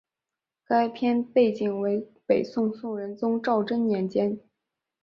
该片背景为北宋宋仁宗赵祯年间。